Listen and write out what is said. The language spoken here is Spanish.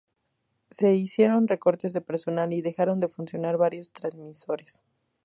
Se hicieron recortes de personal y dejaron de funcionar varios transmisores.